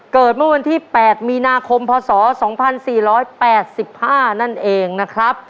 เกิดเมื่อวันที่๘มีนาคมพศ๒๔๘๕นั่นเองนะครับ